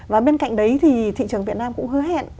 và bên cạnh đấy thì thị trường việt nam cũng hứa hẹn